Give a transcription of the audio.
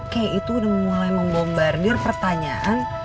kayak itu udah mulai membombardir pertanyaan